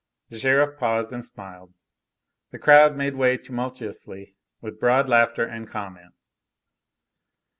The sheriff paused and smiled. The crowd made way tumultuously, with broad laughter and comment.